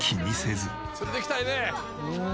連れていきたいね！